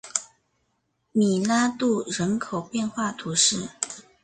米拉杜人口变化图示